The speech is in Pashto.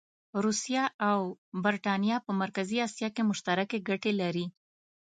روسیه او برټانیه په مرکزي اسیا کې مشترکې ګټې لري.